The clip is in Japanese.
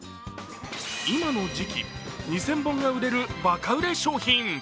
今の時期、２０００本が売れるバカ売れ商品。